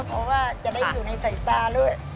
เพราะว่าจะได้อยู่ในสายตาด้วย